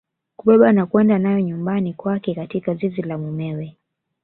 Kubeba na kwenda nayo nyumbani kwake katika zizi la mumewe